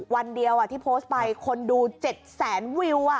วันเดียวที่โพสต์ไปคนดู๗แสนวิว